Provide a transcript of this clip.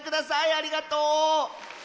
ありがとう！